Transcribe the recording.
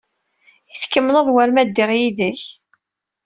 I tkemmleḍ war ma ddiɣ yid-k?